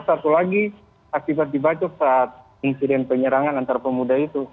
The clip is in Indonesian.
satu lagi akibat dibacok saat insiden penyerangan antara pemuda itu